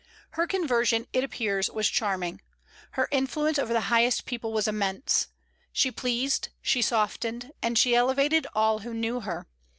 Her conversation, it appears, was charming. Her influence over the highest people was immense. She pleased, she softened, and she elevated all who knew her.